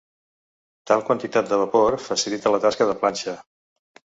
Tal quantitat de vapor facilita la tasca de planxa.